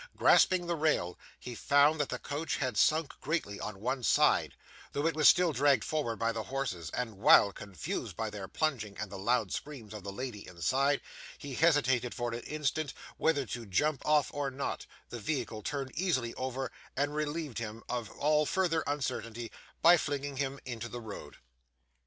Grasping the rail, he found that the coach had sunk greatly on one side, though it was still dragged forward by the horses; and while confused by their plunging and the loud screams of the lady inside he hesitated, for an instant, whether to jump off or not, the vehicle turned easily over, and relieved him from all further uncertainty by flinging him into the road.